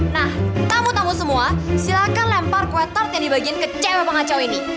nah kamu semua silakan lempar kue tart yang dibagiin ke cewek cewek ini